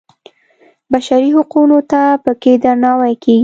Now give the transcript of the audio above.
بشري حقونو ته په کې درناوی کېږي.